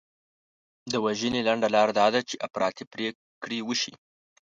د وژنې لنډه لار دا ده چې افراطي پرېکړې وشي.